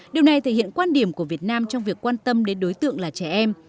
điều này thể hiện quan điểm của việt nam trong việc quan tâm đến đối tượng là trẻ em